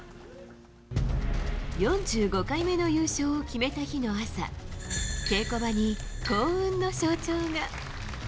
４５回目の優勝を決めた日の朝、稽古場に幸運の象徴が。